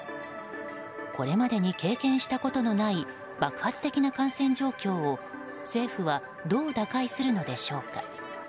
これまでに経験したことのない爆発的な感染状況を政府はどう打開するのでしょうか。